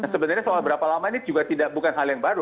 sebenarnya soal berapa lama ini juga bukan hal yang baru